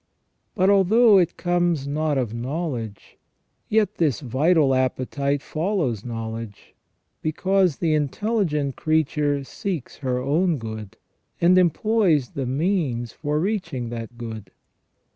But although it comes not of know ledge, yet this vital appetite follows knowledge, because the intelligent creature seeks her own good, aud employs the means for reaching that good.